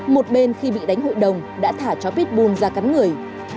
một bên khi bị đánh hội đồng đã thả chó pitbull ra cắn người